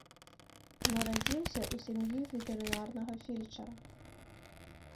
Нарадзіўся ў сям'і ветэрынарнага фельчара.